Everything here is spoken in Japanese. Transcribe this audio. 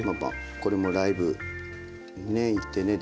これもライブ行ってね